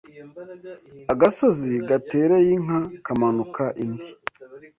Agasozi gatereye inka kamanuka indi